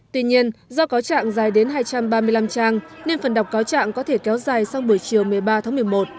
tuy nhiên do có trạng dài đến hai trăm ba mươi năm trang nên phần đọc cáo trạng có thể kéo dài sang buổi chiều một mươi ba tháng một mươi một